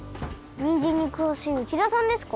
にんじんにくわしい内田さんですか？